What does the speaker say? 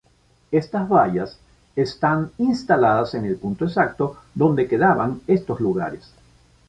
Estas vallas están instaladas en el punto exacto donde quedaban estos lugares.